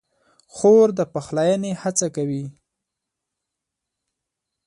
خور د پخلاینې هڅه کوي.